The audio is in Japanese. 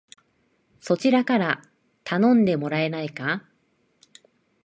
そちらから頼んでもらえないか